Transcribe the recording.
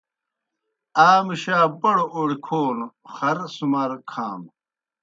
آ مُشا بڑوْ اوڑیْ کھونوْ خرہ سُمار کھانوْ۔